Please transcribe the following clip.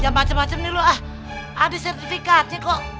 ya macem macem nih lu ah ada sertifikatnya kok